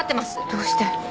どうして？